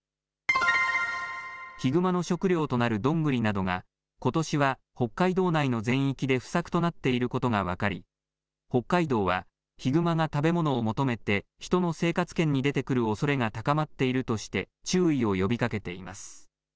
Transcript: ヒグマの食料となるドングリなどがことしは北海道内の全域で不作となっていることが分かり北海道はヒグマが食べ物を求めて人の生活圏に出てくるおそれが高まっているとして注意を呼びかけています。